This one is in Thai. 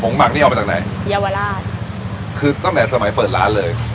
หมักนี่เอามาจากไหนเยาวราชคือตั้งแต่สมัยเปิดร้านเลย